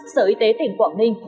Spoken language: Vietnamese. sở y tế tỉnh quảng ninh